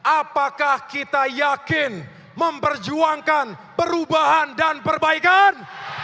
apakah kita yakin memperjuangkan perubahan dan perbaikan